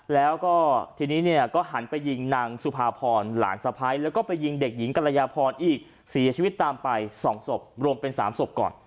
แล้วก็ทีนี้เนี่ยก็หันไปยิงนางสุภาพรหลานสะพ้ายแล้วก็ไปยิงเด็กหญิงกรยาพรอีกเสียชีวิตตามไป๒ศพรวมเป็น๓ศพก่อน